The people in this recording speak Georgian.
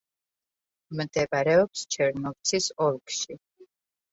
მდებარეობს ჩერნოვცის ოლქში.